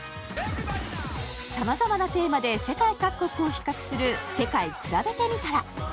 さまざまなテーマで世界各国を比較する「世界くらべてみたら」。